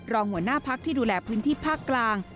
รองหัวหน้าพักที่ดูแลพื้นที่ภาคกลาง